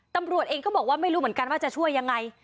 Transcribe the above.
ตำรวจเองก็บอกว่าไม่รู้เหมือนกันว่าจะช่วยยังไง